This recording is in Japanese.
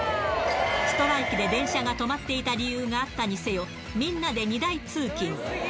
ストライキで電車が止まっていた理由があったにせよ、みんなで荷台通勤。